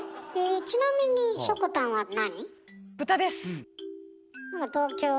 ちなみにしょこたんは何？